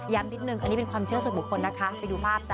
นิดนึงอันนี้เป็นความเชื่อส่วนบุคคลนะคะไปดูภาพจ้